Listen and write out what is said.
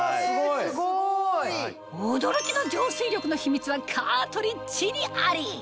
すごい！驚きの浄水力の秘密はカートリッジにあり！